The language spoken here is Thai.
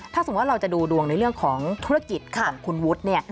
ถ้าสมมุติว่าเราจะดูดวงในเรื่องของธุรกิจของคุณวุฒิเนี่ย